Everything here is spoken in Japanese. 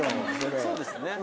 そうですね。